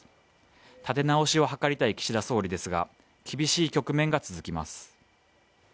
立て直しを図りたい岸田総理ですが、厳しい局面が続きます。